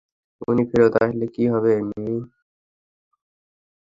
উনি ফেরত আসলে কী হবে, মিমি?